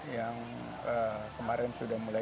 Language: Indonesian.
yang kemarin sudah mulai